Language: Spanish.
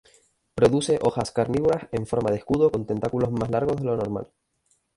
Produce hojas carnívoras en forma de escudo con tentáculos más largos de lo normal.